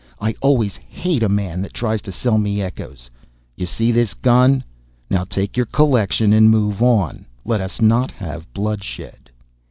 I always hate a man that tries to sell me echoes. You see this gun? Now take your collection and move on; let us not have bloodshed.